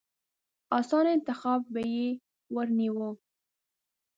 اسانه انتخاب به يې ورنيوه.